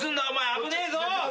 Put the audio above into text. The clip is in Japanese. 危ねえぞ！